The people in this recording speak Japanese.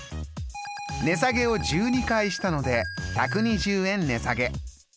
値下げを１２回したので１２０円値下げ。